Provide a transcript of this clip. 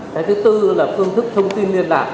cái thứ tư là phương thức thông tin liên lạc